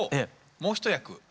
もう一役？